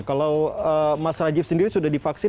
kalau mas rajiv sendiri sudah divaksin